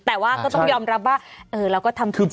แต่ว่าก็ต้องยอมรับว่าเราก็ทำผิดจริง